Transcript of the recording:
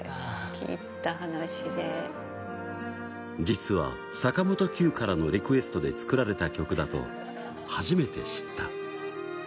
実は坂本九からのリクエストで作られた曲だと初めて知った。